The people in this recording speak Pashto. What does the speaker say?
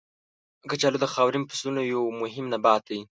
کچالو د خاورین فصلونو یو مهم نبات دی.